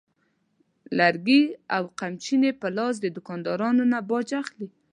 لرګي او قمچینې په لاس د دوکاندارانو نه باج اخلي.